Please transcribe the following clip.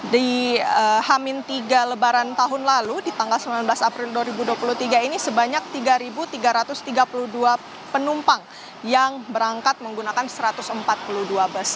di hamin tiga lebaran tahun lalu di tanggal sembilan belas april dua ribu dua puluh tiga ini sebanyak tiga tiga ratus tiga puluh dua penumpang yang berangkat menggunakan satu ratus empat puluh dua bus